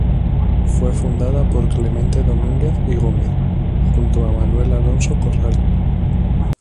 Fue fundada por Clemente Domínguez y Gómez junto a Manuel Alonso Corral.